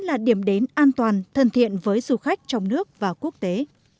hội an vẫn là điểm đến an toàn thân thiện với du khách trong nước và quốc tế